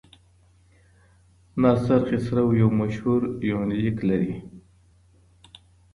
ناصر خسرو یو مشهور یونلیک لري.